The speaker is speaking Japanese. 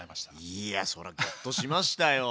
いやそりゃギョッとしましたよ。